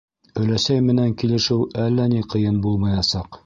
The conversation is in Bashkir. Өләсәй менән килешеү әллә ни ҡыйын булмаясаҡ.